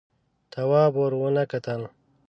تواب ور ونه کتل.